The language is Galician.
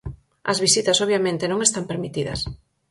As visitas obviamente non están permitidas.